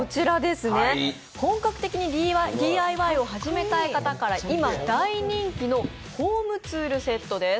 本格的にＤＩＹを始めたい方から今大人気のホームツールセットです。